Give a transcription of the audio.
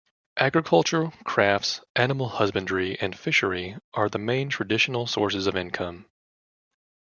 Agriculture, crafts, animal husbandry and fishery are the main traditional sources of income.